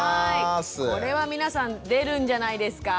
これは皆さん出るんじゃないですかたくさん。